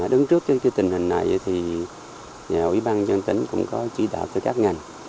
đứng trước cái tình hình này thì nhà ủy ban dân tính cũng có chỉ đạo cho các ngành